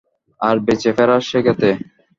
আর বেঁচে ফেরা শেখাতে।